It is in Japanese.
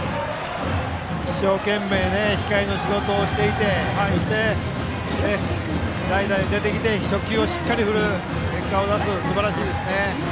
一生懸命、控えの仕事をしていてそして、代打で出てきて初球をしっかり振る、結果を出すすばらしいですね。